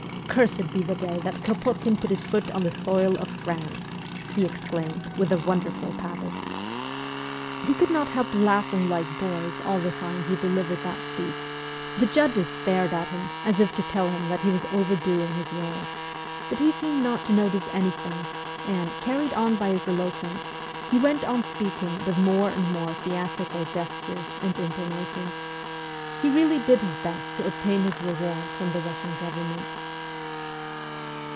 ... Cursed be the day that Kropotkin put his foot on the soil of France !' he exclaimed with a wonderful pathos. We could not help laughing like boys all the time he delivered that speech ; the judges stared at him as if to tell him that he was overdoing his role, but he seemed not to notice anything, and, carried on by his eloquence, he went on speaking with more and more theatrical gestures and intonations. He really did his best to obtain his reward from the Russian govern ment.